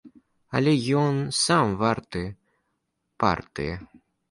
Але ён сам варты партыі.